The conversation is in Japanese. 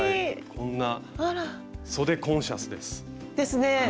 こんなそでコンシャスです。ですね。